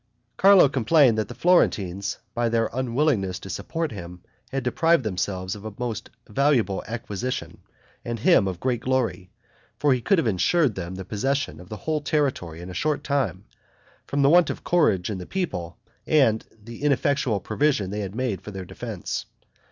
Carlo complained that the Florentines, by their unwillingness to support him, had deprived themselves of a most valuable acquisition and him of great glory; for he could have insured them the possession of the whole territory in a short time, from the want of courage in the people and the ineffectual provision they had made for their defense.